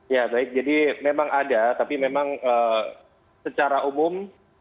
ya baik jadi memang ada tapi memang secara umum